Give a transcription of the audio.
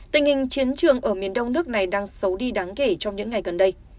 tình hình chiến trường ở miền đông nước này đang xấu đi đáng kể trong những ngày gần đây